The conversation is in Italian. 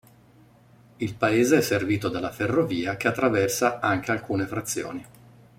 Il paese è servito dalla ferrovia che attraversa anche alcune frazioni.